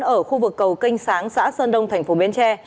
ở khu vực cầu canh sáng xã sơn đông tp bến tre